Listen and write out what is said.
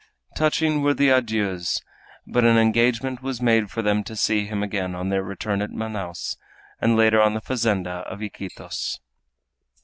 Touching were the adieus, but an engagement was made for them to see him again on their return at Manaos, and later on the fazenda of Iquitos.